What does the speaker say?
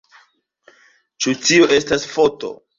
Ĉu tio estas foto?